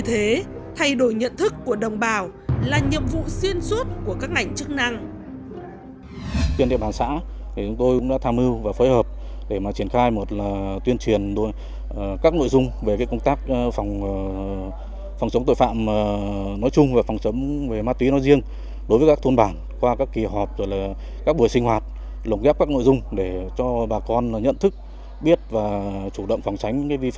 điều nhận thức của đồng bào là nhiệm vụ xuyên suốt của các ngành chức năng